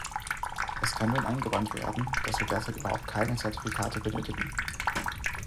Es kann nun eingewandt werden, dass wir derzeit überhaupt keine Zertifikate benötigen.